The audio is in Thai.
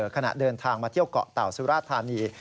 ขณะเดินทางมาเที่ยวเกาะเต่าสุราธานี